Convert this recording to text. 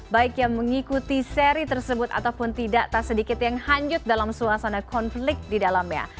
baik yang mengikuti seri tersebut ataupun tidak tak sedikit yang hanjut dalam suasana konflik di dalamnya